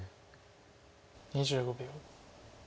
２５秒。